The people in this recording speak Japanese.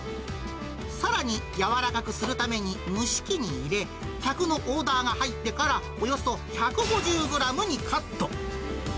さらに柔らかくするために蒸し器に入れ、客のオーダーが入ってから、およそ１５０グラムにカット。